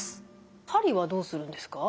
針はどうするんですか？